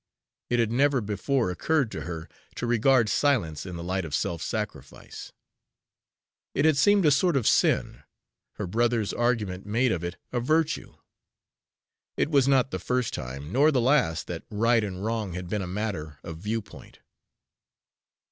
It had never before occurred to her to regard silence in the light of self sacrifice. It had seemed a sort of sin; her brother's argument made of it a virtue. It was not the first time, nor the last, that right and wrong had been a matter of view point.